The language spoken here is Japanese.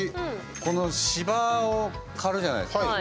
この芝を刈るじゃないですか。